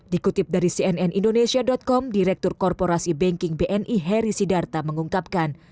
dikutip dari cnn indonesia com direktur korporasi banking bni heri sidarta mengungkapkan